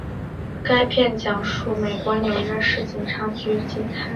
该片讲述美国纽约市警察局警探在香港与毒枭之间发生的故事。